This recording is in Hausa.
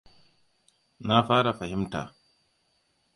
Na fara fahimta.